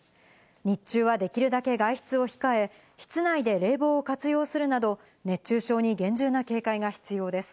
日中はできるだけ外出を控え、室内で冷房を活用するなど、熱中症に厳重な警戒が必要です。